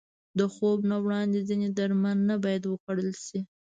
د خوب نه وړاندې ځینې درمل نه باید وخوړل شي.